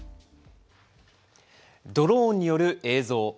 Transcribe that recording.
ドローンによる映像。